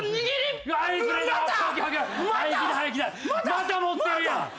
また持ってるやん！